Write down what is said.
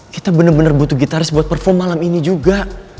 kita benar benar butuh gitaris buat perform malam ini juga